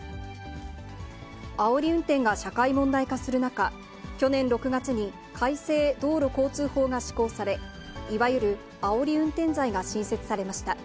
あおり運転が社会問題化する中、去年６月に改正道路交通法が施行され、いわゆるあおり運転罪が新設されました。